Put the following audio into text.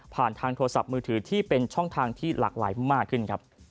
ทางโทรศัพท์มือถือที่เป็นช่องทางที่หลากหลายมากขึ้นครับ